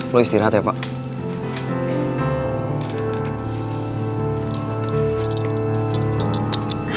lo istirahat ya fah